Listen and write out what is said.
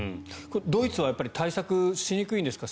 ドイツは対策しにくいんですか？